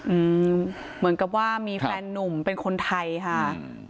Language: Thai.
เหมือนกับว่ามีแฟนนุ่มเป็นคนไทยค่ะอืม